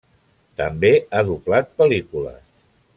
També ha doblat pel·lícules.